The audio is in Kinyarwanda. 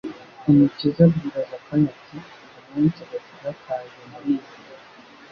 Umukiza abwira Zakayo ati : "Uyu munsi agakiza kaje muri iyi nzu"